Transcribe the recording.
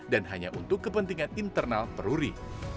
dan hanya untuk kepentingan internal peruri